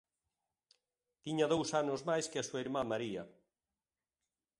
Tiña dous anos máis que a súa irmá María.